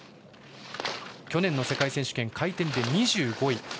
去年の世界選手権回転で２５位。